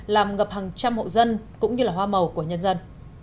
làm ngập hàng trăm hộ dân cũng như là hoa màu của nhân dân